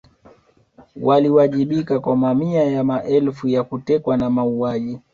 Waliwajibika kwa mamia ya maelfu ya kutekwa na mauaji